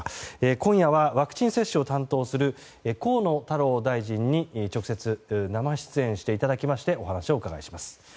今夜はワクチン接種を担当する河野太郎大臣に直接、生出演していただきましてお話をお伺いします。